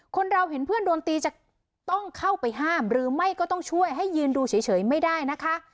คนเราเห็นเพื่อนโดนตีจะต้องเข้าไปห้ามหรือไม่ก็ต้องช่วยให้ยืนดูเฉยไม่ได้นะคะ